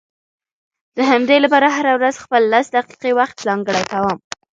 د همدې لپاره هره ورځ خپل لس دقيقې وخت ځانګړی کوم.